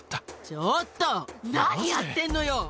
ちょっと、何やってんのよ！